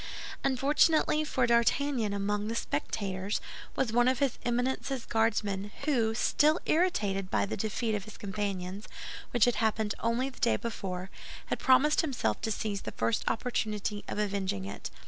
Unfortunately for D'Artagnan, among the spectators was one of his Eminence's Guardsmen, who, still irritated by the defeat of his companions, which had happened only the day before, had promised himself to seize the first opportunity of avenging it.